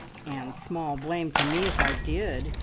"And small blame to me if I did!